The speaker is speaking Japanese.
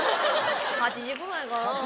８時ぐらいかな。